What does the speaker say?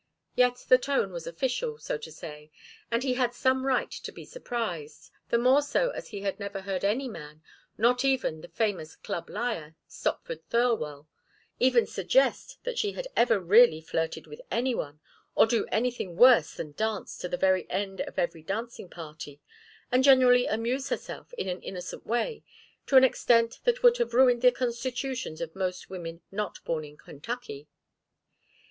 Yet the tone was official, so to say, and he had some right to be surprised, the more so as he had never heard any man not even the famous club liar, Stopford Thirlwall even suggest that she had ever really flirted with any one, or do anything worse than dance to the very end of every dancing party, and generally amuse herself in an innocent way to an extent that would have ruined the constitutions of most women not born in Kentucky.